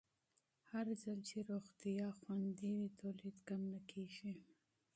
هرځل چې روغتیا خوندي وي، تولید کم نه کېږي.